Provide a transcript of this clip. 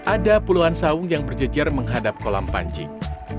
ada puluhan saung yang berjejer menghadap kolam pancing